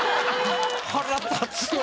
腹立つわ。